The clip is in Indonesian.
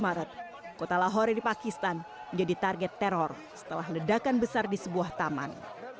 dua puluh maret kota lahore di pakistan menjadi target teror setelah ledakan besar di sebuah taman